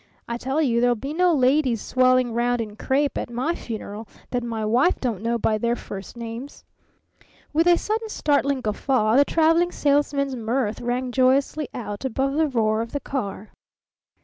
I tell you, there'll be no ladies swelling round in crape at my funeral that my wife don't know by their first names!" With a sudden startling guffaw the Traveling Salesman's mirth rang joyously out above the roar of the car.